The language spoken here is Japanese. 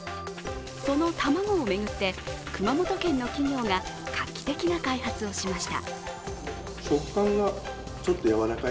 その卵を巡って、熊本県の企業が画期的な開発をしました。